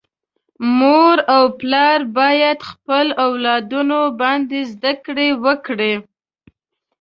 مور او پلار باید خپل اولادونه باندي زده کړي وکړي.